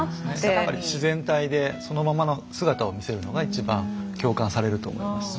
やっぱり自然体でそのままの姿を見せるのが一番共感されると思いますね。